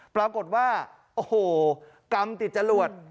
ปรากฏว่าโอ้โหกรรมติดจรวด